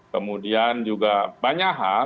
kemudian juga banyak hal